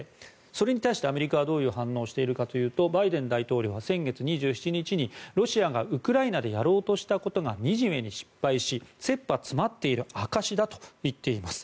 それに対してアメリカはどういう反応をしているかというとバイデン大統領は先月２７日にロシアがウクライナでやろうとしたことが惨めに失敗し切羽詰まっている証しだと言っています。